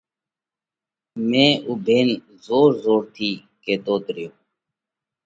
۾ اُوڀينَ زور زور ٿِي ڪيتوت ريو۔